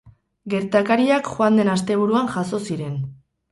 Gertakariak joan den asteburuan jazo ziren.